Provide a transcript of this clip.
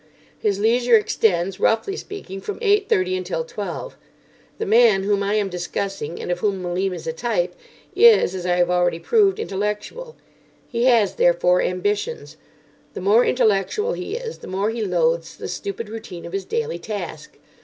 His leisure extends, roughly speaking, from eight thirty until twelve. The man whom I am discussing, and of whom Malim is a type, is, as I have already proved, intellectual. He has, therefore, ambitions. The more intellectual he is the more he loathes the stupid routine of his daily task.